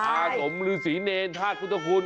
อาสมหรือศรีเนรทาสพุทธคุณ